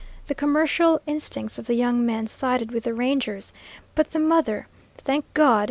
The commercial instincts of the young man sided with the Rangers, but the mother thank God!